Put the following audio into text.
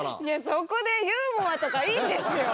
そこでユーモアとかいいんですよ！